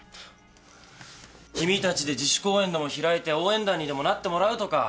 君たちで自主公演でも開いて応援団にでもなってもらうとか。